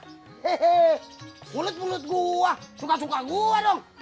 hei mulut mulut gua suka suka gua dong